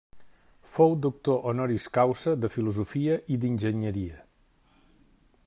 Fou doctor honoris causa de Filosofia i d'Enginyeria.